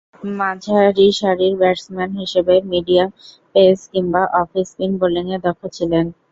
মাঝারিসারির batsman হিসেবে medium pace কিংবা off spin বোলিংয়ে দক্ষ ছিলেন।